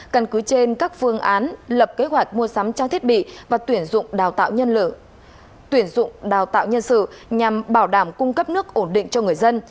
căn cứ trên các phương án lập kế hoạch mua sắm trang thiết bị và tuyển dụng đào tạo nhân sự nhằm bảo đảm cung cấp nước ổn định cho người dân